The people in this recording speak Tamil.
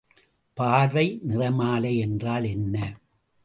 பார்வை நிறமாலை என்றால் என்ன?